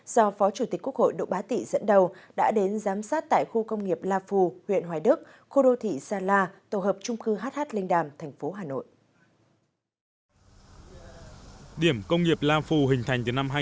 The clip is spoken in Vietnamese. do phó chủ tịch quốc hội độ bá tị dẫn đầu đã đến giám sát tại khu công nghiệp la phù huyện hoài đức khu đô thị sa la tổ hợp trung cư hh linh đàm thành phố hà nội